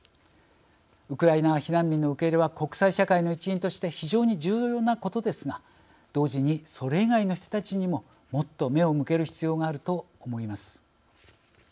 ウクライナ避難民の受け入れは国際社会の一員として非常に重要なことですが同時に、それ以外の人たちにももっと目を向ける必要があると思います。